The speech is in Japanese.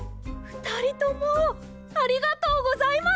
ふたりともありがとうございます！